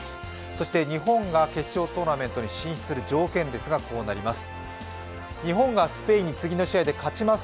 そして日本が決勝トーナメントに進出する条件はこうなります。